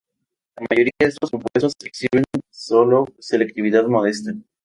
La mayoría de estos compuestos exhiben solo selectividad modesta.